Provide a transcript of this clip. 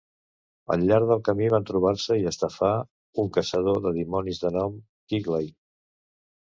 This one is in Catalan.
Al llarg del camí van trobar-se, i estafar, un caçador de dimonis de nom Quigley.